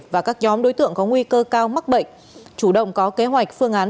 và các nhóm đối tượng có nguy cơ cao mắc bệnh chủ động có kế hoạch phương án